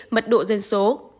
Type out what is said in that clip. mật độ dân số